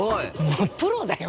もうプロだよ